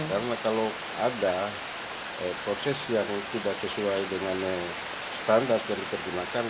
karena kalau ada proses yang tidak sesuai dengan standar yang digunakan